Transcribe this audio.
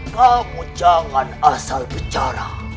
kamu jangan asal bicara